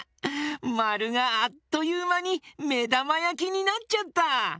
まるがあっというまにめだまやきになっちゃった！